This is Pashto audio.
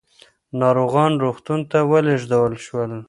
ناروغان روغتون ته ولېږدول شول.